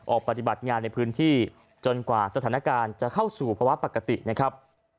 ปฏิบัติงานในพื้นที่จนกว่าสถานการณ์จะเข้าสู่ภาวะปกตินะครับ